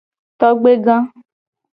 Togbega.